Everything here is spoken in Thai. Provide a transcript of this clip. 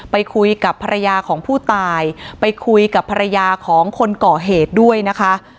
ไปคุยกับภรรยาของผู้ตายไปคุยกับภรรยาของคนก่อเหตุด้วยนะคะ